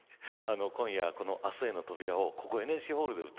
今夜この「明日への扉」をここＮＨＫホールで歌う。